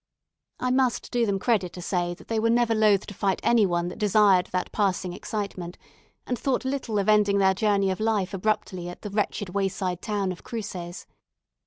I must do them credit to say, that they were never loath to fight any one that desired that passing excitement, and thought little of ending their journey of life abruptly at the wretched wayside town of Cruces.